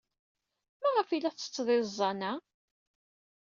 Maɣef ay la tettetted iẓẓan-a?